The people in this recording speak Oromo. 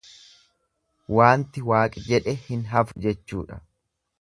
Waanti Waaq jedhe hin hafu jechuudha.